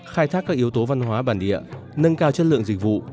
khai thác các yếu tố văn hóa bản địa nâng cao chất lượng dịch vụ